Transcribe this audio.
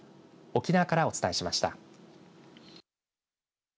沖縄からお伝えしました。